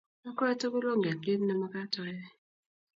Akwe tugul onget kiit nemagat oyei